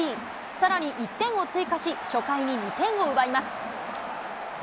さらに１点を追加し、初回に２点を奪います。